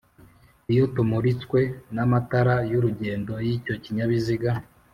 iyo tumuritswe n'amatara y'urugendo y'icyo kinyabiziga.